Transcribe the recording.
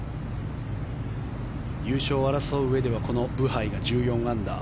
優勝を争ううえではこのブハイが１４アンダー。